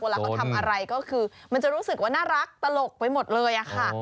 เวลาเขาทำอะไรก็คือมันจะรู้สึกว่าน่ารักตลกไปหมดเลยค่ะ